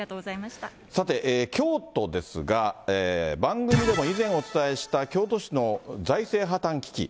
さて、京都ですが、番組でも以前お伝えした京都市の財政破綻危機。